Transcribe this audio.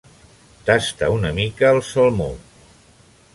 Tasta una mica el salmó.